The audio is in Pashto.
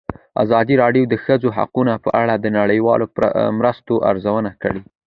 ازادي راډیو د د ښځو حقونه په اړه د نړیوالو مرستو ارزونه کړې.